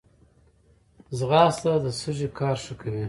ځغاسته د سږي کار ښه کوي